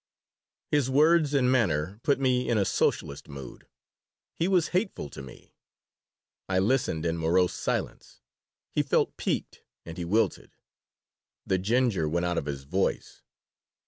His words and manner put me in a socialist mood. He was hateful to me. I listened in morose silence. He felt piqued, and he wilted. The ginger went out of his voice.